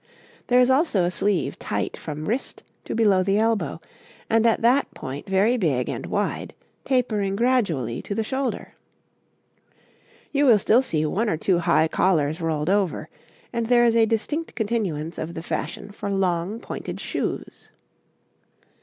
There is also a sleeve tight from wrist to below the elbow, and at that point very big and wide, tapering gradually to the shoulder. You will still see one or two high collars rolled over, and there is a distinct continuance of the fashion for long pointed shoes.